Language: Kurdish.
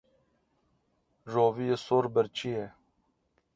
Roviyê sor birçî ye.